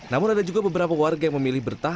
namun ada juga beberapa warga yang memilih bertahan